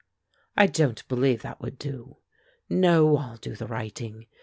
"I don't believe that would do. No, I'll do the writing.